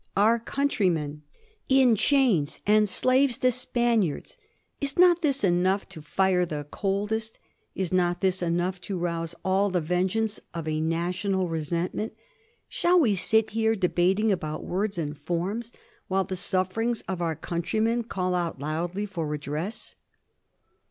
Our countrymen in chains, and slaves to Spaniards ! Is not this enough to fire the coldest ? Is not this enough to rouse all the ven geance of a national resentment? Shall we sit here de bating about words and forms while the sufferings of our countrymen call out loudly for redress